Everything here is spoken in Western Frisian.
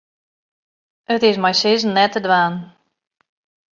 It is mei sizzen net te dwaan.